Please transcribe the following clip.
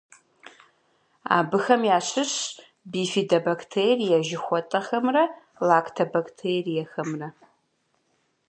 Абыхэм ящыщщ бифидобактерие жыхуэтӏэхэмрэ лактобактериехэмрэ.